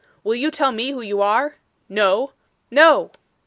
'Will you tell me who you are?' 'No!' 'No!